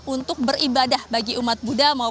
untuk beribadah bagi umat buddha